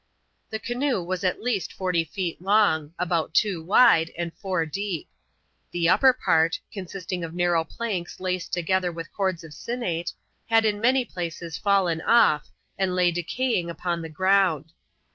The canoe was at least forty feet long, about two wide, and fpur deep. The upper part — consisting of narrow planks laced together with cords of ^sinnate— had in many places fallen off, and lay decaying upon the ground.